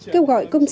kêu gọi công sách